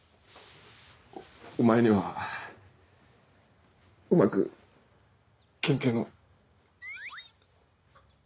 お前にはうまく県警の。